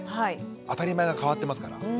当たり前が変わってますから。